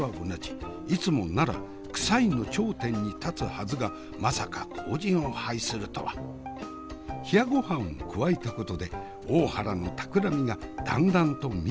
いつもならクサいの頂点に立つはずがまさか後じんを拝するとは。冷やごはんを加えたことで大原のたくらみがだんだんと見えてきおったか。